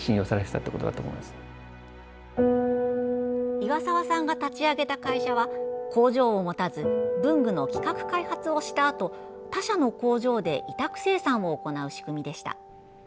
岩沢さんが立ち上げた会社は、工場を持たず文具の企画開発をしたあと他社の工場で委託生産を行う仕組みでした。